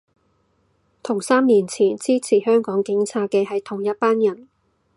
同三年前支持香港警察嘅係同一班人